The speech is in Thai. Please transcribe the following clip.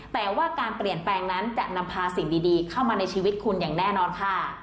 แต่ว่าการเปลี่ยนแปลงนั้นจะนำพาสิ่งดีเข้ามาในชีวิตคุณอย่างแน่นอนค่ะ